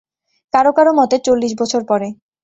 কারো কারো মতে, চল্লিশ বছর পরে।